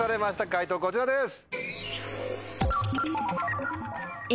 解答こちらです！